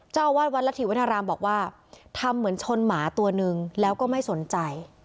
เจ้าอาวาสวัดละถีวัฒรามบอกว่าทำเหมือนชนหมาตัวนึงแล้วก็ไม่สนใจ